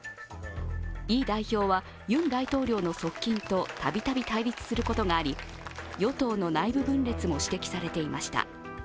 イ代表はユン大統領の側近と度々、対立することがあり与党の内部分裂も指摘されていました。